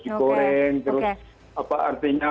dikoreng terus apa artinya